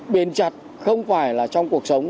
bền chặt không phải là trong cuộc sống